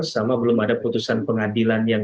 sama belum ada putusan pengadilan yang